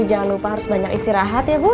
jangan lupa harus banyak istirahat ya bu